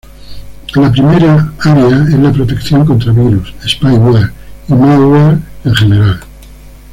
La primera área es la protección contra virus, spyware, y malware en general.